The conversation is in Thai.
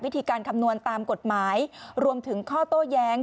วิธีการคำนวณตามกฎหมายรวมถึงข้อโต้แย้ง